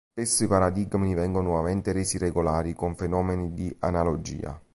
Spesso i paradigmi vengono nuovamente resi regolari con fenomeni di analogia.